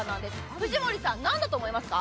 藤森さん、何だと思いますか？